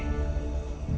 kalau boleh hamba